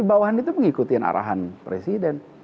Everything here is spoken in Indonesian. bawahan itu mengikuti arahan presiden